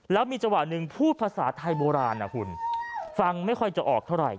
แล้วมีจังหวะหนึ่งพูดภาษาไทยโบราณนะคุณฟังไม่ค่อยจะออกเท่าไหร่